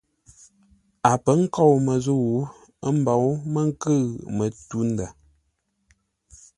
A pə̌ nkôu məzə̂u, ə́ mbou mə́ nkʉ̂ʉ mətû-ndə̂.